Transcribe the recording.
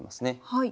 はい。